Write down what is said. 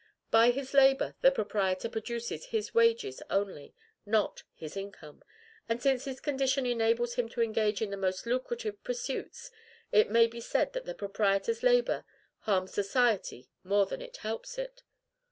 By his labor, the proprietor produces his wages only not his income. And since his condition enables him to engage in the most lucrative pursuits, it may be said that the proprietor's labor harms society more than it helps it.